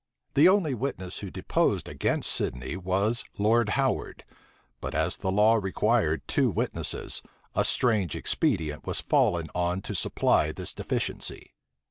The only witness who deposed against Sidney was Lord Howard; but as the law required two witnesses, a strange expedient was fallen on to supply this deficiency.